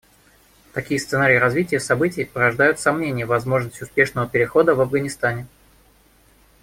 Такие сценарии развития событий порождают сомнения в возможности успешного перехода в Афганистане.